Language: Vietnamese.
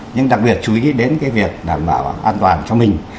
nhưng đặc biệt chú ý đến cái việc đảm bảo an toàn cho mình